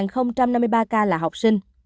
ba năm mươi ba k là học sinh